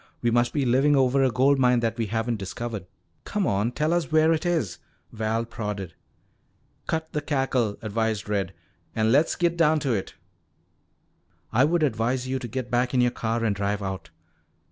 We must be living over a gold mine that we haven't discovered. Come on, tell us where it is," Val prodded. "Cut the cackle," advised Red, "an' le's git down to it." "I would advise you to get back in your car and drive out."